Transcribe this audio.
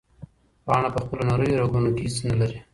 پاڼه په خپلو نریو رګونو کې هیڅ نه لري.